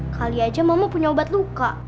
kali aja mama punya obat luka